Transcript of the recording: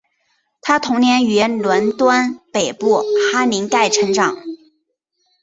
她童年于伦敦北部哈林盖成长。